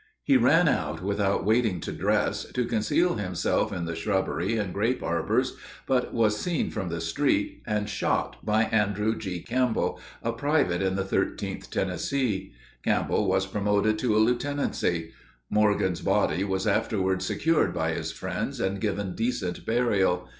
He ran out, without waiting to dress, to conceal himself in the shrubbery and grape arbors, but was seen from the street and shot by Andrew G. Campbell, a private in the 13th Tennessee. Campbell was promoted to a lieutenancy. Morgan's body was afterward secured by his friends and given decent burial.